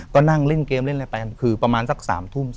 ก็นั่งเล่นเกมเล่นอะไรไปกันคือประมาณสัก๓ทุ่ม